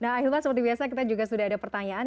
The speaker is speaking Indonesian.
nah akhirnya seperti biasa kita sudah ada pertanyaan